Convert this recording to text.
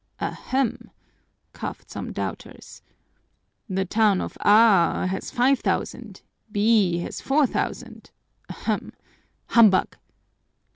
"Ahem!" coughed some doubters. "The town of A has five thousand, B has four thousand, ahem! Humbug!"